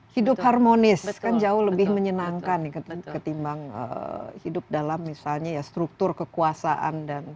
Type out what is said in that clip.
hidup harmonis kan jauh lebih menyenangkan nih ketimbang hidup dalam misalnya ya struktur keadilan